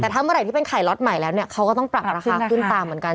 ไข่ที่เป็นไข่ล็อตใหม่แล้วเนี่ยเขาก็ต้องปรับราคาขึ้นตามเหมือนกัน